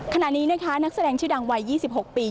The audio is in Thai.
ขณะนี้นะคะนักแสดงชื่อดังวัย๒๖ปี